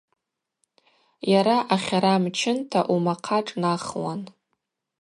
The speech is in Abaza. Йара ахьара мчынта – умахъа шӏнахуан.